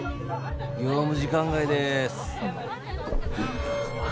業務時間外でーすあ